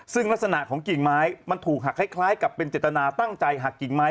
ซึ่งลักษณะของกิ่งไม้มันถูกหักคล้ายกับเป็นเจตนาตั้งใจหักกิ่งไม้